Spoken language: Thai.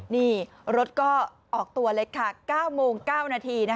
นี่รถก็ออกตัวเลยค่ะ๙โมง๙นาที